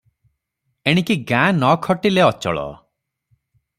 ଏଣିକି ଗାଁ ନ ଖଟିଲେ ଅଚଳ ।